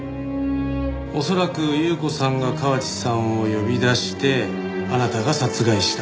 恐らく優子さんが河内さんを呼び出してあなたが殺害した。